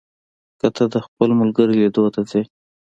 که ته د خپل ملګري لیدو ته ځې،